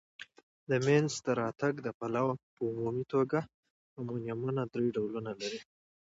د مینځ ته راتګ د پلوه په عمومي توګه امونیمونه درې ډولونه لري.